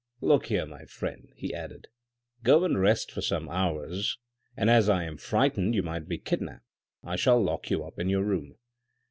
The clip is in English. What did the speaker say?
Look here, my friend," he added, "go and rest for some hours, and as I am frightened you might be kidnapped, I shall lock you up in your room."